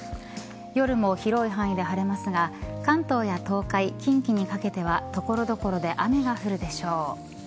夜も広い範囲で晴れますが関東や東海、近畿にかけては所々で雨が降るでしょう。